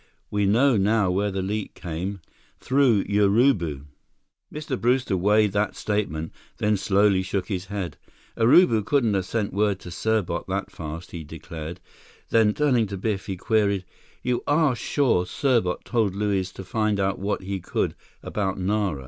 We know now where the leak came. Through Urubu." Mr. Brewster weighed that statement, then slowly shook his head. "Urubu couldn't have sent word to Serbot that fast," he declared, then, turning to Biff, he queried: "You are sure Serbot told Luiz to find out what he could about Nara?"